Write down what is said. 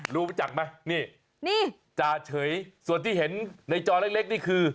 รู้จักไหมนี่นี่จ่าเฉยส่วนที่เห็นในจอเล็กนี่คือ